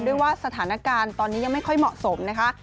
ด้วยว่าสถานการณ์ตอนนี้ยังไม่ค่อยเหมาะสมนะคะ